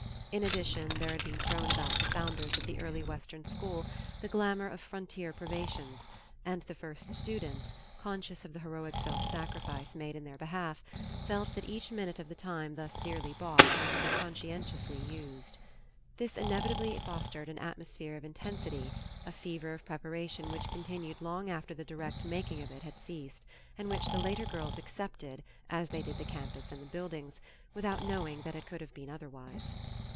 In addition there had been thrown about the founders of the early western school the glamour of frontier privations, and the first students, conscious of the heroic self sacrifice made in their behalf, felt that each minute of the time thus dearly bought must be conscientiously used. This inevitably fostered an atmosphere of intensity, a fever of preparation which continued long after the direct making of it had ceased, and which the later girls accepted, as they did the campus and the buildings, without knowing that it could have been otherwise.